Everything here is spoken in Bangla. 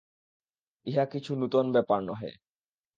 ইহা কিছু নূতন ব্যাপার নহে।